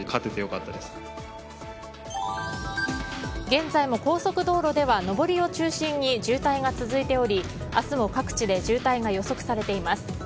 現在も高速道路では上りを中心に渋滞が続いており明日も各地で渋滞が予測されています。